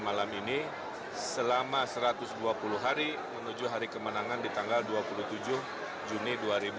malam ini selama satu ratus dua puluh hari menuju hari kemenangan di tanggal dua puluh tujuh juni dua ribu dua puluh